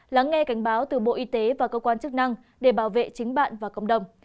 lắng nghe cảnh báo từ bộ y tế và cơ quan chức năng để bảo vệ chính bạn và cộng đồng